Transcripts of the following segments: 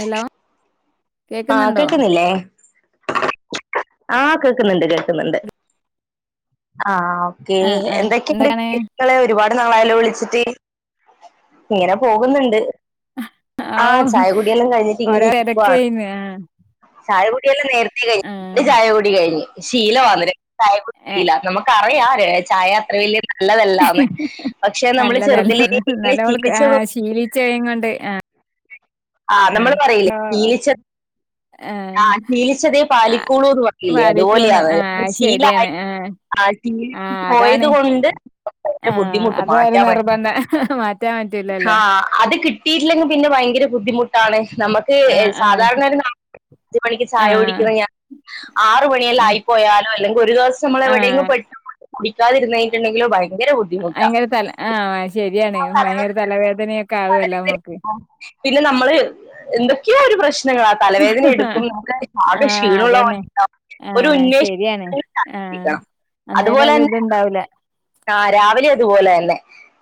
Hello കേക്കുന്നുണ്ടോ ആകേക്കുന്നില്ലേ ആഹ കേൾക്കുന്നുണ്ട് കേൾക്കുന്നുണ്ട് ആ ഓക്കേ ആഹ് ആഹ് എന്തൊക്കാണ് എന്തൊക്കെയുണ്ട്കളെ ഒരുപാട് നാളായാ വിളിച്ചിട്ട് ഇങ്ങനെ പോകുന്നുണ്ട് ഓ ആഹ് ചായ കുടിയെല്ലാം കഴിഞ്ഞിട്ട് ഇങ്ങനെ ഓരോ ഇരിക്കാണ് തിരക്കേയ്ന്ന് ആഹ് ചായകൊടിയെല്ലാം നേരത്തെേ കഴിൻ്റെ ആഹ് ചായ കുടികഴിഞ്ശീല വുന്ന് ല ചാ ഏ ഇല്ല ഏ. നമുക്ക്റിയാം ചായ അത്ര വലിയ നല്ലതല്ലന്ന് പക്ഷെ നമ്മള് നല്ലതല്ല ചെറുതിലെ ഇങ്ങെ നല്ലവൾക്ക് ചീരിച്ച ആഹ് ശീലിച്ചഴങ്ങൊണ്ട് ആഹ് ആ നമ്മള് പറയില്ലേ ശീലിച്ച ആഹ് ശീലിച്ചതേ ആഹ് പാലിക്കോളൂ എന്ന് പറയില്ലേ പാലിക്കുന്ന് അതുപോലെയാാണ് ആഹ് ശീല ശരിയാണ് ആഹ് ആ ആഹ് തിങ്ങ്പോയത് അതാണ് കൊണ്ട് ആഹ് ബുദ്ധിമുട്ട് അതൊരു മാറ്റാൻ നിർബന്ധ മാറ്റാൻ ആ പറ്റൂലല്ലോ അത് കിട്ടിട്ടില്ലെങ്കിൽ പിന്നെ ഭയങ്കര ബുദ്ധിമുട്ടാണ് നമുക്ക് ആഹ് ആഹ് സാധാരണ അഞ്ച മണിക്ക് ചായ ആഹ് ഓടിക്കുന്ന ത്ത് മണിക്ക് ചായ കുടിക്കുന്നഞാൻ ആറുുമണിയെല്ല ആഹ് ആയിപ്പോയാലോ അല്ലെങ്കിൽ ഒരു ദിവ മ്മളടെ ആഹ് പെട്ട കുടിക്കാതിരുന്നട്ടുണ്ടെങ്കിലോ ഭയങ്കര ബുദ്ധിമുട്ടാ ഭയങ്കര തല ആഹ് ശരിയാണ് ഭയങ്കര തലവേദനയൊക്കെ ആവുവല്ലോ നമുക്ക് പിന്നെ നമ്മള് എന്തൊക്കെയോ ഒരു പ്രശ്നങ്ങളാ തലവേദന എടുക ഇപ്പ നമുക്ക് ആഹ് ക്ഷീണമുള്ള അതന്നെ ഒരു ആഹ് ഉന്മേഷിക്കിക്ക അന്നേര ഒരുഇത് ഇണ്ടാവൂല ആ രാവിലെ അതുപോലെ തന്നെ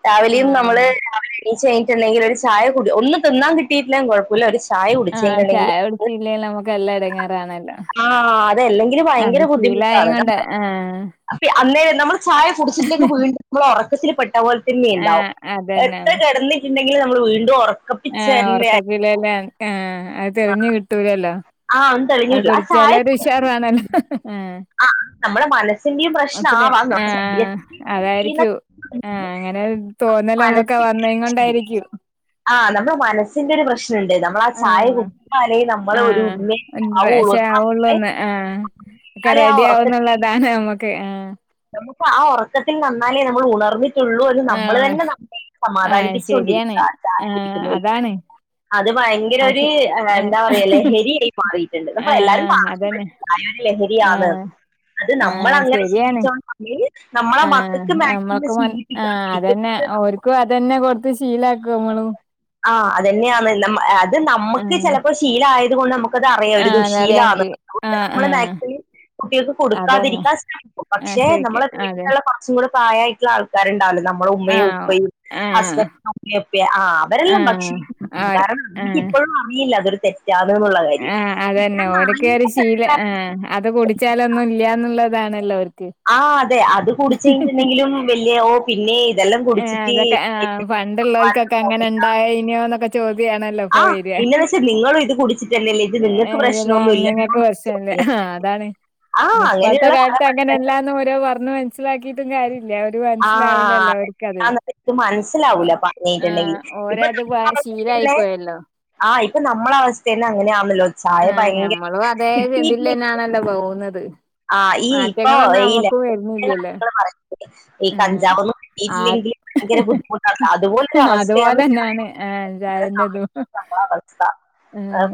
രാവിലെയും ആഹ് നമ്മള് രാവിലെ എണീഴ ണ്ടെങ്കിൽ ഒരു ചായ കൂടി ഒന്ന് തിന്നാ കിട്ടിയിട്ടില്ലൻ കുഴപ്പമില്ല ഒരു ചായ ആ കുടിച്ചെങ്കിലുണ്ടെങ്കിൽ ചായ കുടിച്ചല്ലേ ലുംനമ്മുക്ക് എല്ലറ ഇടങ്ങ ണല്ലോ ആ അതല്ലെങ്കിൽ അത് ഭയങ്കര ശീലായ ബുദ്ധിമുട്ടാണ് കൊണ്ട് നമ്മ- ആ അപ്പൊ അന്നേം രംനമ്മള് ചായ കുടിച്ചില്ലേലും വീണ്ടുംനമ്മൾ ഉറ [inaudible] ച്ചരി പട്ട പോലെ തന്നെ ഉണ്ടാവും ആഹ് അതന്നെ എത്ര കിടന്നിട്ടുണ്ടെങ്കിലും നമ്മൾ വീണ്ടുംറ ഏഹ് ഓർക്ക ജല്ലല്ല ആ അത് തെരഞ്ഞു കിട്ടൂലല്ലോ ആ ഒന്നും അത് തെളിഞ്ഞിട്ടില്ല ആ ചായ കുടിച്ചാലൊരു ഷാറ്ണല്ലോ ആ നമ്മുടെ മനസ്സിന്റെയും അസല് പ്രശ്നമാവാം നമ്മുടെ ആഹ ശരീരത്തിന്റെയും ചെയ്യുന്ന അതായിരിക്കൂ ആഹ് അങ്ങനെ തോന്നല നമ്മക്കെ വന്ന കൊണ്ടായിരിക്കും ആഹ് നമ്മുടെ മനസ്സിന്റെ ഒരു പ്രശ്നം മുണ്ട് നമ്മൾ ആ ചായ കുടിച്ചൽ നമ്മള് ഒരു ശ ആവുള്ളൂ ഉള്ള ഒന്ന് ആ ഒക്കെ എന്നാലേ ആ റെഡി ഉറക്കത്തിൽ ആവുന്നുുള്ളതാണ് നമ്മുക്ക് ആ നമുക്ക് ആ ഉറക്കത്തിൽ നന്നാലേ നമ്മൾ ഉണർ ട്ടൂ എന്ന് നമ്മള് ആഹ് തന്നെ നമ്മള ആഹ് ശരിയാണ് സമാധാനിപ്പിച്ചോണ്ടിരിക്ക ച ആഹ് കുടിക്കുന്ന അതാണ് അത് ഭയങ്കര ആഹ് ഒരു ശെ ആഹ് എന്താ പറ. യാലെ എരിയയിപ്പായിട്ടുണ്ട് എല്ലാരും ആഹ് പ അതന്നെ രിാണ് ആഹ് അത് നമ്മൾങ്ങനെ ജീവിച്ചോണ്ട് ആ നമ്മക്ക് ആ ശീലിപ്പിക്കാണ്ടിരിക്കുക അതന്നെ ഓർക്കും അത്ന്നെ കൊടുത്ത് ശീല മള ആ അതന്നെയാണ് അത് നമ്മുക്ക് ആഹ് ചിലപ്പോ ശീലയത് കൊണ്ട് നമുക്ക് നമ അറിയാം ഒരു ആഹ് അതറിയാൻക്ക് ദുശീലന്ന്ണ്ട് ആഹ് നമ്മള് ആഹ് മാക്സിമം കുട്ടികൾക്ക് അതന്നെ കൊടുക്കാതിരിക്കാൻ സാധിക്കും ആഹ് പക്ഷെ ചോയിക്ക നമ്മെ അതെ വീട്ടിലുള്ള കുച്ചും കൂടെ പ്രായമായിട്ടുള്ള ആൾക്കാരുണ്ടാവല്ലോ നമ്മുടെ ഉമ്മയും ആഹ് ഉപ്പയും ആഹ് ഹസ്ബൻഡ അമ്മൊെ ആ അവരെല്ലാം ഭക്ഷ ആഹ് ആഹ് കാരണം എനിക്കിപ്പോഴും അമയില്ല അതർ ത ആ അതന്നെ ഓക്കറി ശീലം ആ അത് കുടിച്ചാലൊന്നും ഇല്ലന്നുള്ളത് അതാണ്ണല്ലർും ആ അതെ അത് കുടിച്ച കഴിഞ്ഞട്ടുണ്ടെങ്കിലും വല്യ ഓ പിന്നെ ഇതെല്ലാം കുടിച്ചിട്ട് പണ്ടുള്ളവർക്കൊക്കെ അങ്ങനെ ഉണ്ടായിനോന്നൊക്കെ ചോദ്യിയണല്ലോപ്പ ആ വരി പിന്നെന്ന് വെച്ചാൽ നിങ്ങളും ഇത് കുടിച്ചിട്ടന്നെല്ലേ ഇത് നിങ്ങൾക്ക് ത പ്രശ്നമൊന്നും ഇല്ലല്ലോ അന്നങ്ങക്ക് എന്ന് പ്രശല്ലേ ചോദിക്കും. അതാണ് ആ ഇപ്പഴത്തെ അങ്ങനെയുള്ള പല കാലത്ത് പ്രശ്നങ്ങൾ അങ്ങനെല്ലാ ഓോ മനസിലാക്കിട്ടും കാര്യല്ല അവര് ആ മനസിലാവില്ലല്ലോ അവർക്ക്ത് അതെന്താന്നൊക്കെ ഇത് മനസ്സിലാവൂല പറഞ്ഞിട്ടുണ്ടെങ്കിൽ ഓരത് പോ ശീലായി പോയല്ലോ ആഹ് ഇപ്പൊ നമ്മള അവസ്ഥ തന്നെ അങ്ങനെ ആവണല്ലോ ചായ ആഹ് ഭയങ്കര ഞമ്മളും കിട്ടിട്ട മാറ്റങ്ങന്നാ ഈ നമ്മുക്ക്ും ലഹരിയുടെ വരുന്നില്ലല്ലേ കാര്യങ്ങൾ പറഞ്ഞില്ലേ ഈ കഞ്ചാവൊന്നും കിട്ടിയിട്ടില്ലെങ്കിൽ ഭയങ്കര ബുദ്ധിമുട്ടാണ് ഉ അതുപോലൊരു അവസ്ഥയാണ് അതുപോലെന്നെയാണ് ചില സമയത്ത് ആന്തതുും നമ്മളെ അവസ്ഥ ആഹ അത്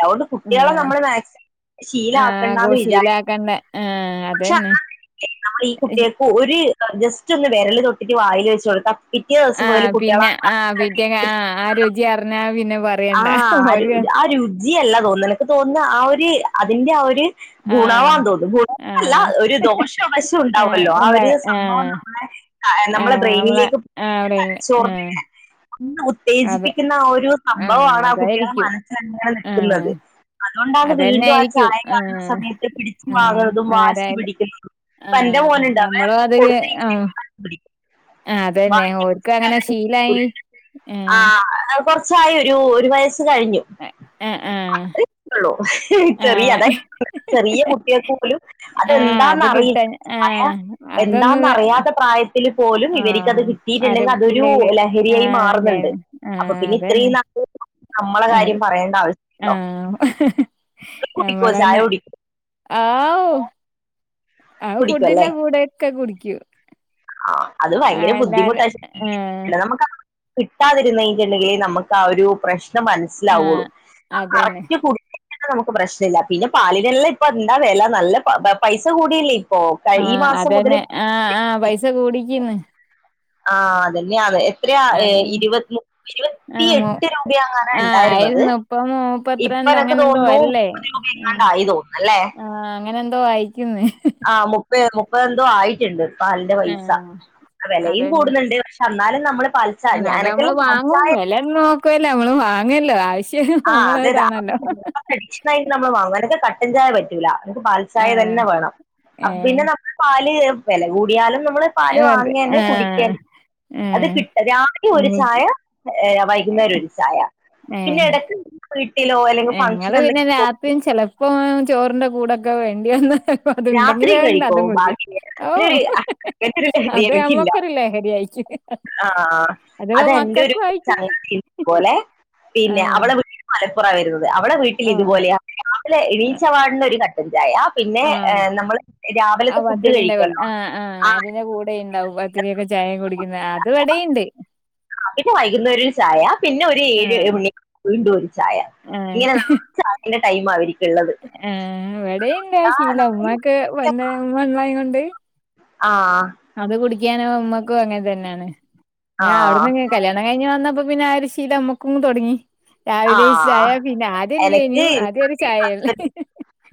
അതുകൊണ്ട് കുട്ടികളെ നമ്മള് മാക്സിമം ശീലമാക്കണ്ട എന്ന് വിചാരി കണ്ട ആ അതന്നെ നമ്മൾ ഈ കുട്ടികൾക്ക് ഒരു ജസ്റ്റ് ഒന്ന് വിരല് തൊട്ടിട്ട് വാായിൽ വെച്ചുക കൊടുക്ക ആഹ പിന്നെ ആ് പിറ്റ ആ ആ രുചി അറിഞ്ഞാ പിന്നെ പറയണ്ട ആഹ ആ ഒരു ആ രുചിയ അല്ല തോന്നുന്നു നിനക്ക് തോന്നുന്നു ആ ഒരു അതിറെ ആ ഒരു ആഹ് ഗുണമാന്ന് തോന്നുന്നു ഗുണവല്ല ആഹ് ഒരു ദോഷ അവശ്യം ആഹ് ഉണ്ടാവല്ലോ ആ എന്താ ഒരു സംഭവം ആഹ് നമ്മളെ ആ നമ്മള് ആഹ് നമ്മളെ ബ്രെയിനിലേക്ക് ആഹ് പോ അവിടെന്നെ ചോർ ആഹ് അന്ന് അത് ഉത്തേജിപ്പിക്കുന്ന ആ ഒരു ആഹ് സംഭവണ് ആ കുട്ടികളുടെ അതായിരിക്കും മനസ്സന്നടെ ആഹ് നിൽക്കുന്നത് അതുകൊണ്ടാണ് അതന്നെ വീണ്ടും ആ ആയിരിക്കും ചായ കാണുന്ന ആഹ് സമയത്ത് പിടിച്ച്ു ആഹ് വാങ്ങുന്നതും വാശി ആരായാലും പിടിക്കുന്നതും പന്റെ ആഹ് മോന ഉണ്ടാവ കൊടുത്ത ആ അത തന്നെ ഓർക്ക്ും അങ്ങനെ ശീലമായി ആ ച്ചായ ഒരു ഒരു വയസ്സ് ആഹ് ആഹ് കഴിഞ്ഞുള്ളൂ ചെറിയ അത ആഹ് ചെറിയ കുട്ടികൾക്ക് പോലും ആഹ് അതെന്താന്ന് അത് കിട്ടാൻ അറിയില്ല ആഹ് അതൊന്ന് എന്താണെന്നറിയാത്ത പ്രായത്തില്ൽ പോലും ഇവർക്കത് ആഹ് കിട്ടിയിട്ടുില്ലെങ്കിൽ അതൊരു ലഹരിയായി അ മാറി ആഹ് അതെ അതന്നെ ഇത്രയും നല്ല നമ്മളെ അത് കാര്യം പറയേണ്ട ആവശ്യമല്ലോ മ്മളന്നെ ആ ആ കുടിക്കും അല്ലേ ഫുഡിന്റെ കൂടെ ഒക്കെ കുടിക്കൂ ആ അത് ഭയങ്കര ബുദ്ധിമുട്ടാ ശ ആഹ് നമു കിട്ടാതിരുന്നുണ്ടെങ്കിലിൽ നമുക്ക് ആ ഒരു പ്രശ്ന ആഹ് അതന്നെ മനസ്സിലാവുള്ളുറ്റ നമുക്ക് പ്രശ്ന ഇല്ല പിന്നെ പാലിനെല്ലാം ഇപ്പൊ ഇണ്ടാ വേല നല്ല പൈസ കൂടയില്ലേ ആഹ അതന്നെ ആഹ ആഹ പൈസ കൂടിക്കന്ന് ആഹ അതന്നെയാണ് ഇത്ര അതന്നെ ഇരുപത്തി ഇരുപത്തി ആഹ് മൂ എട്ട് രൂപാണ് ആഹ് ഉണ്ടായിരുന്നത് ആയിരുന്നു ഇപ്പൊ ഇപ്പ മുപ്പത്തിരണ്ട് എനക്ക് അങ്ങനെ എന്തോ തോന്നുന്നു അല്ലേ മുപ്പത് രൂപ ആഹ് എങ്ങാണ്ടായി തോന്നല്ലേ ആഹ് അങ്ങനെ എന്തോ ആ ആഹ മുപ്പ മുപ്പതന്തോ ആയിട്ടുണ്ട് പാലിന്റെ പൈസ ആഹ് ആ വിലയും കൂടുന്നുണ്ട് പക്ഷെ എന്നാലും നമ്മള് ല്ല നമ്മള് വാങ്ങും വല്ലും നോക്കുവല്ലേ നമ്മള് വാങ്ങല്ലോ ആവശ്യം ആ നമ്മള് അത് ഇതാണല്ലോ [unintelligible] [unintelligible] [unintelligible] എക്സ്ട്രാ ഇന്ന് നമ്മള് വാങ്ങും. അല്ലെങ്കി ക പ ചായ പറ്റൂലക്ക് പാൽ ചായ ആഹ് തന്നെ വേണം ഏഹ് പിന്നെ നമ്മ പാല് വ കൂടിയാലും ഇവിടെ പാൽ അതെ വാങ്ങ്ന്നെ ആഹ് കുടിക്കന്നെ അത് ഏഹ് കിട്ട രാവിലെ ഒരു എനിക്ക് ചായ ഏ വൈകുന്നേരം ഒരു ചായ ഏ പിന്നെ ഇടയ്ക്ക് വീട്ടിലോ അല്ലെങ്കിൽ ഞങ്ങള് ഫംഗ്ഷൻ പിന്നെ എന്തെങ്കിലും പോ- രാത്രിമ് ചെലപ്പോ ചോറിന്റെ കൂടൊക്കെ വേണ്ടി വന്ന ണ്ടെങ്കിലെ രാത്രിയും കഴിക്കോ അതും കുടിയ്ക്കും ബാക്കി ഓ അങ്ങനെ ഒരു അങ്ങനത്തെ ഒരു ലഹരി അതെ എനിക്കില്ല അമ്മക്കൊരു ലഹരിയായ്റ്റ് ആ അഥവാ അത് എന്റെ ഒരു മക്കക്കും അയ്ക്ന്ന്‌ ചങ്ങാതി പോലെ പിന്നെ അവളെ വീട് മലപ്പുറായിരുന്നു അവളെ വീട്ടിൽ ആഹ് ഇതുപോലെയാ രാവിലെ എണിച്ച പാടെനെ ഒരു കട്ടൻ ചായ പിന്നെ ആഹ് നമ്മള് ആ പത്തിരിന്റെ കൂടെ ആ ആ അതിന്റെ കൂടെ ഇണ്ടാവും പത്തിരിയൊക്കെ ചായ കുടിക്കുന്നെ അതിവിടേം [unintelligible] [unintelligible] അവിടെ വൈകുന്നേരം ഒരു ചായ പിന്നെ ഒരു ഏഴ് മണി [unintelligible] ഹേ ഇങ്ങനെ നാശം അതിന്റെ ടൈം അവർക്കുള്ളത് ഹേ വിടെണ്ട് ആ ശീലം ഉമ്മാക്ക് [unintelligible] ആ അത് കുടിക്കാനും ഉമ്മക്കും അങ്ങനെ തന്നാണ് ആ ഞാൻ അവിട്ന്ന് കല്യാണം കഴിഞ്ഞ് വന്നപ്പം പിന്നെ ആ ഒരു ശീലം അമ്മക്കും തൊടങ്ങി ആ രാവിലെ ചായ പിന്നെ ആദ്യല്ലേനു എനക്ക് ആദ്യ ഒരു ചായയല്ലേ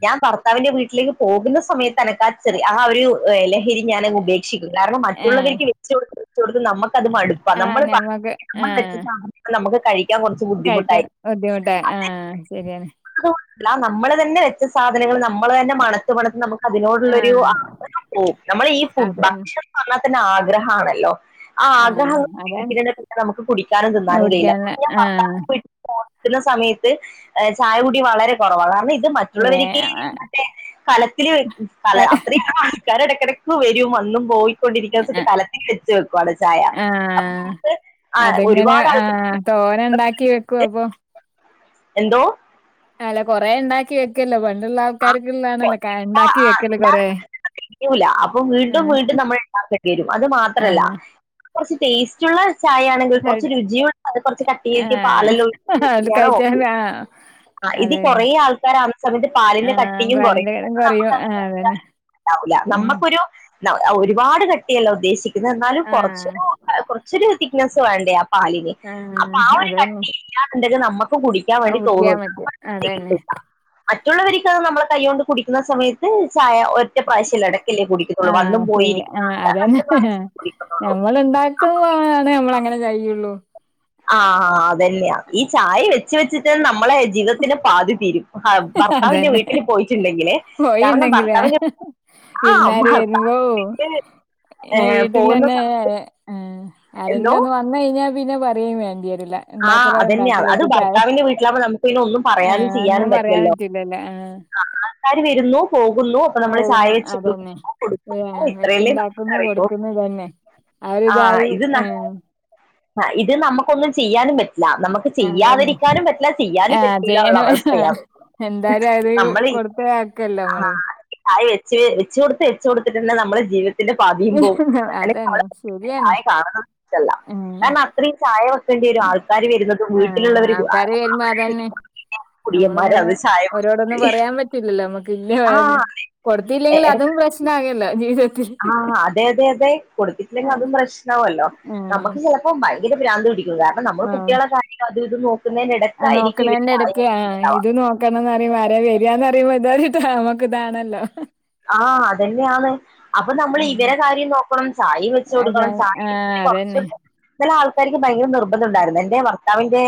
ഞാൻ ഭർത്താവിന്റെ വീട്ടിലേക്ക് പോകുന്ന സമയത്ത് അനക്കാ ആ ചെറിയ ആ ഒരുല്ലെ [unintelligible] ഞാനങ്ങ് ഉപേക്ഷിക്കും കാരണം, ആഹ് മറ്റുള്ളവർക്ക് വെച്ചുകൊടുത്ത് വെച്ചു കൊടുത്ത് നമ്മക്കത് മടുപ്പാ ആഹ് നമ്മളിപ്പ ഞമ്മക്ക് ആഹ് [unintelligible] [unintelligible] ബുദ്ധിമുട്ടാ ആ ശരിയാണ് ല്ല നമ്മള് തന്നെ വെച്ച സാധനങ്ങള് നമ്മ് മ്മള് തന്നെ മണത് മണത് നമക്ക് അതിനോടുള്ള ഒരു ആഹ് ആഗ്രഹം പോവും നമ്മള് ഈ ഫു അതന്നെ ഭക്ഷണം പറഞ്ഞാ പിന്നെ ആഗ്രഹം ആണല്ലോ. ആ ആഹ് ആഗ്രഹങ്ങ [unintelligible] അതാണ് പിന്നെ എന്നു വെച്ചാ നമുക്ക് കുടിക്കാനും തിന്നാനും കയിയില്ല. കുടിക്കാനുള്ള [unintelligible] ഭർത്താവ് ആഹ് വിട്ട് [unintelligible] സമയത്ത് ചായ കുടി വളരെ കൊറവാ. കാരണം വേ മറ്റുള്ളവരിക്ക് മറ്റേ കലത്തില് വെയ്ക്കും. കല ആഹ് അത്ര ആ പണികാരെടയ്ക്കു എടയ്ക്ക് വരും. വന്നും പോയിക്കൊണ്ടിരിക്കുന്നിടത്തു [unintelligible] കലത്തിൽ വെച്ച് വെയ്ക്കും. അവിടെ ചായ ആ അപ്പൊ നമുക്ക് ആ, അതിങ്ങനെ ഒരുപാട് ആ ആൾ- തോനെ ഉണ്ടാക്കി വെയ്ക്കും. അപ്പൊ എന്തോ? ആ ല്ലേ. കൊറേ ഒണ്ടാക്കി വെക്കുവല്ലേ പണ്ടൊള്ള ആ ആൾക്കാർക്കുള്ളതാണല്ലോ [unintelligible] ഉണ്ടാക്കി വെയ്ക്കൽ കൊറേ യ്ക്കൂല്ല. അപ്പൊ വീണ്ടും ആഹ് വീണ്ടും നമ്മള് ഉണ്ടാക്കേണ്ടി വരും. അത് മാത്രല്ല ആഹ് കുറച്ചു ടേസ്റ്റുള്ള ചായ ആണെങ്കിൽ കഴി കൊറച്ച് രുചിയും അത് കൊറച്ച് കട്ടിയിൽ [unintelligible] ആഹ് പാലല്ലാ അത് ഒഴിച്ചിട്ടാണെ ഓക്കേ. കഴിച്ചാല് ആഹ് ആ, ഇത് അതന്നെ കൊറേ ആൾക്കാര് ആ സമയത് [unintelligible] ആഹ് കട്ടിയും കൊറയും. കൊരന്റെ അപ്പൊ [unintelligible] [unintelligible] [unintelligible] കൊറയും ആഹ് അതന്നെ [unintelligible] [unintelligible] [unintelligible] ഉം നമ്മുക്കൊരു [unintelligible] ഒരുപാട് കട്ടിയല്ല ഉദ്ദേശിക്കുന്നത്. എന്നാലും കൊറച്ച് ആഹ് ഒരു [unintelligible] കൊറച്ചൊരു തിക്നെസ്സ് വേണ്ടേ ആ പാലിന്? അപ്പൊ ആഹ് ആ ഒരു അതന്നെ കട്ടി ഇല്ലാന്നുണ്ടെങ്കി നമ്മ കുടിയ്ക്കാൻ വേണ്ടി കുടിക്കാൻ തോന്നും.. നമ്മ പറ്റും അത് അതന്നെ ചെയ്യു മറ്റുള്ളവർക്ക് അത് നമ്മള് കൈ കൊണ്ട് കുടിക്കുന്ന സമയത്ത് ചായ ഒറ്റ പ്രാവശ്യല്ലേ ഇടയ്ക്കല്ലേ കുടിക്കുന്നുള്ളൂ. വന്നും ആഹ് പോയി ശരി ഇരിയ്ക്കുന്ന- ആഹ് [unintelligible] [unintelligible] പോകാണെ നമ്മളങ്ങനെ ചെയ്യുള്ളൂ. ആ അതന്നെയാ. ഈ ചായ വെച്ച് വെച്ചിട്ട് നമ്മളേ, ജീവിതത്തിന്റെ പാതി തീരും. ഭർത്, ഭർത്താവിന്റെ അതന്നെ വീട്ടില് പോയിട്ടുണ്ടെങ്കില്, കാരണം കോഴിണ്ടെങ്കിലേ ഭർത്താവിന്റെ ആ വിരുന്നാര് ഭർത്താ വരുമ്പോ ഓഹ് പിന്നെ വീട്ടിൽ പോകുന്ന തന്നേ. സമയത്ത് ആരെങ്കിലും എന്തോ ഒന്ന് വന്നു കഴിഞ്ഞാ പിന്നെ പറയിയേം വേണ്ടീല ആ അതന്നെയാ. അത് ഭർത്താവിന്റെ വീട്ടിലാവുമ്പോ നമുക്ക് പിന്നെ ഒന്നും ഏഹ് പറയാനും ഒന്നും ചെയ്യാനും പറ്റ് പറയാൻ ല്ലോ. പറ്റൂലല്ലോ ആഹ് [unintelligible] ആൾക്കാര് വരുന്നൂ, പോകുന്നൂ ഓന്ന അതന്നെ ഏ ഇത്രയല്ലേ വെച്ചുണ്ടാക്കുന്നു നമുക്കറിയൂ കൊടുക്കുന്നു തന്നെ ആ അവരിതായി ഇത് ആഹ ആ ഇത് നമുക്കൊന്നും ചെയ്യാനും പറ്റു ല്ല നമുക്ക് അതന്നെ ചെയ്യാതിരിക്കാനും പറ്റില്ല ചെയ്യാനും ആഹ് പറ്റൂല ഉള്ള ചെയ്യാന് അവസ്ഥയാാണ് എന്തായാലും അത് കൊടുത്ത ആക്കല്ലോ നമ്മള് ായ വെച്ച് വെച്ച് കൊടുത്ത് വച്ചുക കൊടുത്തിട്ട്ന്നെ നമ്മുടെ ജീവിത ന്റെ പതിയുമ്പോ അ അതന്നെ ശരിയാണ് ചായ കാണ ഏഹ് കാരണം അത്രയും ചായ വേണ്ട ആൾക്കാാര് വരുന്നത് ആഹ് വീട്ടിലുള്ളവര് ആൾക്കാര് വരുമ്പോ അതന്നെ ടിയമാര് നമ്മളിങ്ങനെ അവസായം ഓരോടൊന്നും പറയാൻ പറ്റില്ലല്ലോ നമ്മുക്ക് ഇല്ല ആഹ് കൊടുത്തില്ലെങ്കിൽ അതും പ്രശ്ന ആകല്ല ജീവിത ആഹ അതെ അതെ അതെ കൊടുത്തിട്ടില്ലെങ്കിൽ ആഹ് അതും പ്രശ്നവല്ലോ നമ്മുക്ക് ചിലപ്പോ ഇ്രാന് കാരണം നമ്മൾ ആഹ് കുട്ടികളുടെ കാര്യം അത് ഇത് നോക്കുന്നതിനി ആഹ് ഇടക്കായിരിക്കും ഇവടെ നോക്കണേന്റെ മര വകയാന്ന് പറിയുമ്പോ ഇതാട്ടോ നമ്മക്ക ഇതാണല്ലോ ആഹ അതന്നെയാണ് അപ്പൊ നമ്മൾ ഇവരെ കാര്യം നോക്കണം ചായ വെച്ച അതെ കൊടുക്കണം ചായ ആഹ് അതന്നെ ഫഹാല ക്ക് ഭയങ്കര നിർബന്ധ ഉണ്ടായിരുന്നു എന്റെ വർത്താവിന്റെ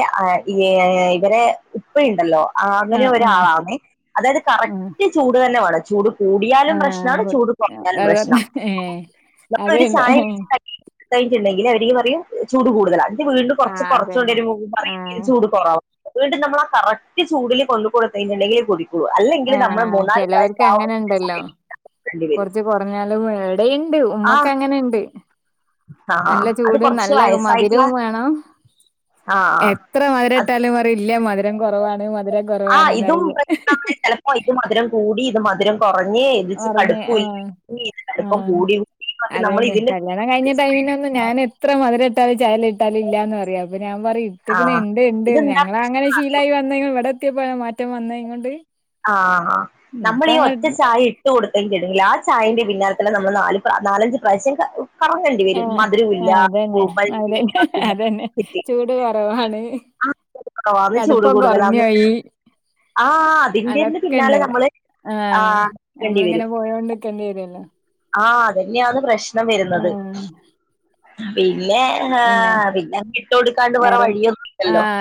ഇവരെ ഉപ്പയുണ്ടല്ലോ ആ അങ്ങനെ ആഹ് ആഹ് ഒരാളാവുന്നേ അതായത് ആഹ് കറക്റ്റ് ചൂട് തന്നെ വേണം ചൂട് കൂടിയാലും ആഹ് പ്രശ്നമാണ് ഗുഡ് ചൂട് കുറഞ്ഞാലും പ്രശ്നമാണ് ഏഹ് നമ്മൾ ഒരു അതന്നെ ചായ വെ അടുത്തായിട്ടുണ്ടെങ്കിൽ അവർക്ക് പറയും ചൂട് കൂടുതല അതിന്റെ വീടിന് കുറച്ച് ആഹ് അതന്നെ കുറച്ചുകൊണ്ടരു മൂ പറയയാെങ്കിൽ ആഹ് ചൂട് കുറവാം വീണ്ടും നമ്മള ആ കറക്റ്റ് ചൂടില് കൊ കൊടുത്തതിട്ടുണ്ടെങ്കിൽ കുടിക്കും അല്ലെങ്കിൽ നമ്മൾ മൂന്നാല് പ്രാവശ ആ ണ്ടല്ലോ ചായ കുടിക്കേണ്ടി വരും കൊറച്ച് കുറഞ്ഞാലും എടെുണ്ട് ഉമ്മക്കെ ആഹ് അങ്ങനെുണ്ട് ആഹ് നല്ല അത് ചൂട കൊറച്ച് നല്ല വയസ്സായിട്ടുള്ള മധുരവും വേണംോ ആഹ് എത്ര മധുരം അത് ഇട്ടാലും അറി ഇല്ല മധുരം കുറവാണ് മധുരം അ ആഹ് ഇതും കുറവാണ്െന്നറിയ പ്രശ്നാണ് ചെലപ്പോ ഇത് മധുരം കൂടി ഇത് മധുരം കുറ അങ്ങ ഇതി പറഞ്ഞ് ആഹ് കടുപ്പൂല്ല കടുപ്പം ആഹ് കൂടിൂടി മ നമ്മൾ അതന്നെ ഇതിന്റെ കല്യാണം കഴിഞ്ഞ ടൈമിനൊന്നും ഞാൻ എത്ര മതിലര ഇട്ടാലും ചയല ഇട്ടാലും ഇല്ലാന്ന് പറയാെ ഞാൻ പറയും ഇട്ടക്കുന്നു ആഹ് ഇണ്ട്ന്ന് ഇതെന്താ ഞങ്ങ അങ്ങനെ പ്രശ്നംന്ന് അറിയോ ശീലായി വന്നെ ഇവിടെ എത്തി മാറ്റം വന്ന ഇങ്ങൊണ്ട് ആഹ നമ്മ ഈ ഒറ്റ ചായ ഇട്ട് കൊടുത്തങ്ക ആ ചായന്റെ പിന്നാലല്ല നമ്മൾ നാല് നാലഞ്ച് പ്രാവശ്യം കറന്നേണ്ടി വരും ആഹ് മധുരവില്ല ആഹ് അതന്നെ അതന്നെ അതന്നെ കിട്ടി ചൂട് കുറവാണ് ആന്ന് ചൂട് കടുപ്പം കുറഞ്ഞു കൂടുതലന്ന് പോയി ആ അതിന്റെന്ന് പിന്നാലെ നമ്മള് ആഹ ആഹ് ണ്ടി നഞമ്മളിങ്ങനെ പോയോണ്ട് നിക്കേണ്ടി വരുല്ലോ ആഹ അതന്നെയാണ് പ്രശ്നം വരുന്നത് ആഹ് പി പിന്നെ പിന്നെ വിട്ട്ൊടുക്കാണ്ട് വേറെ വഴിയൊന്നും ഇല്ലല്ലോ ആഹ്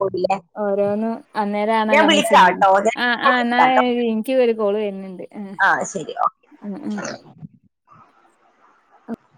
പോടിയ ഇോന്നന്ന് അന്നേം ആണല്ലോ നമ്മൾ ചിന്തിക്ക ഞാൻ ആ ആ് എന്ന എനിക്ക ഒരു കോള് വരുന്നുണ്ട് ആഹ് ആഹ ശരി ഓ ഉം ഉം